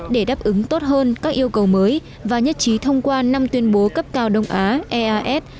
để đáp ứng tốt hơn các yêu cầu mới và nhất trí thông qua năm tuyên bố cấp cao đông á eas